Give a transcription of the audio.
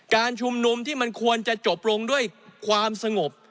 การชุมนุมที่มันควรจะจบลงด้วยความสงบ